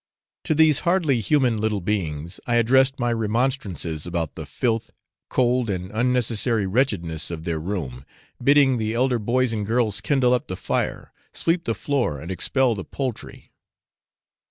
To these hardly human little beings, I addressed my remonstrances about the filth, cold, and unnecessary wretchedness of their room, bidding the elder boys and girls kindle up the fire, sweep the floor, and expel the poultry.